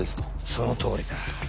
そのとおりだ。